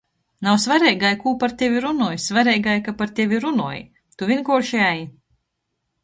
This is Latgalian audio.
Nav svareigi, kū par tevi runoj, svareigi, ka par tevi runoj... Tu vīnkuorši ej...